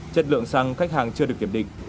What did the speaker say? chất lượng xăng khách hàng chưa được kiểm định